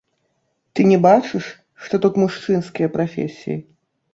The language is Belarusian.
Ты не бачыш, што тут мужчынскія прафесіі?